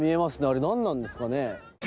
あれ何なんですかね？